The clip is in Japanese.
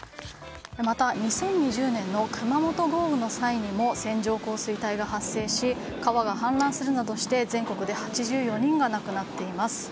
また、２０２０年の熊本豪雨の際にも線状降水帯が発生し川が氾濫するなどして全国で８４人が亡くなっています。